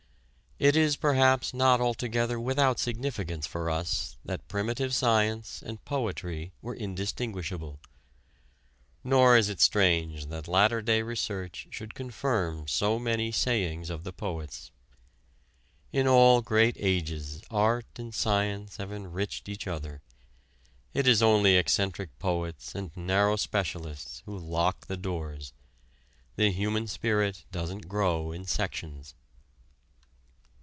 It is perhaps not altogether without significance for us that primitive science and poetry were indistinguishable. Nor is it strange that latter day research should confirm so many sayings of the poets. In all great ages art and science have enriched each other. It is only eccentric poets and narrow specialists who lock the doors. The human spirit doesn't grow in sections.